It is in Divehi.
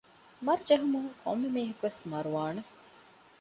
މަރު ޖެހުމުން ކޮންމެ މީހަކުވެސް މަރުވާނެ